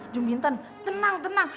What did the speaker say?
juminten tenang tenang